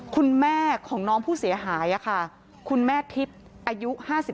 คุณแม่ของน้องผู้เสียหายค่ะคุณแม่ทิพย์อายุ๕๓